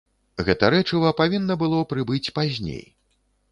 Гэта рэчыва павінна было прыбыць пазней.